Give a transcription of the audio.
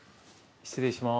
失礼いたします。